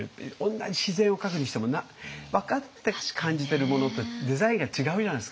同じ自然を描くにしても分かって感じてるものってデザインが違うじゃないですか。